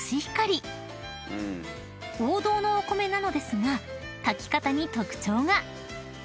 ［王道のお米なのですが炊き方に特徴が］